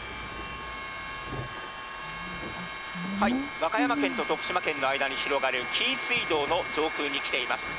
和歌山県と徳島県の間に広がる紀伊水道の上空に来ています。